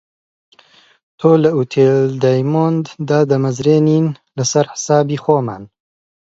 تۆ لە ئوتێل دیامۆند دادەمەزرێنین لەسەر حیسابی خۆمان